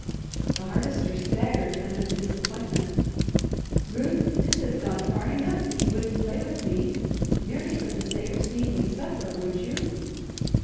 The Harvester staggered under the disappointment. "Ruth, this has gone far enough that you wouldn't play with me, merely for the sake of seeing me suffer, would you?"